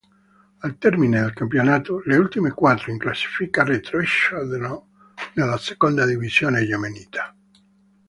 Al termine del campionato, le ultime quattro in classifica retrocedono nella seconda divisione yemenita.